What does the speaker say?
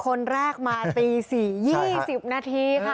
คนแรกมาตี๔๒๐นาทีค่ะ